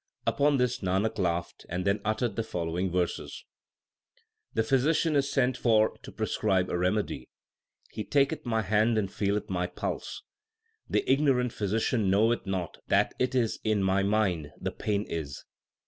Upon this Nanak laughed, and then uttered the following verses : The physician is sent for to prescribe a remedy ; he taketh my hand and feeleth my pulse. The ignorant physician knoweth not that it is in my mind the pain is.